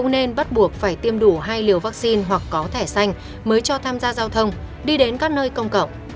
nên bắt buộc phải tiêm đủ hai liều vaccine hoặc có thẻ xanh mới cho tham gia giao thông đi đến các nơi công cộng